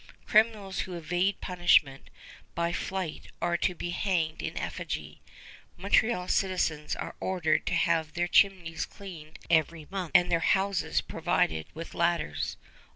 Criminals who evade punishment by flight are to be hanged in effigy. Montreal citizens are ordered to have their chimneys cleaned every month and their houses provided with ladders.